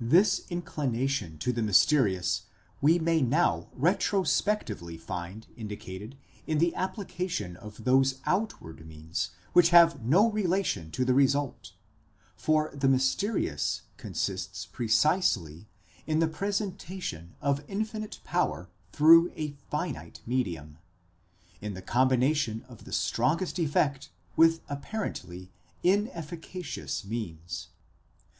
This inclination to the mys terious we may now retrospectively find indicated in the application of those outward means which have no relation to the result ; for the mysterious consists precisely in the presentation of infinite power through a finite medium, in the combination of the strongest effect with apparently inefficacious means.